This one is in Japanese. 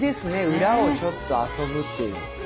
裏をちょっと遊ぶっていう。